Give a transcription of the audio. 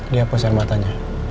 dia posir matanya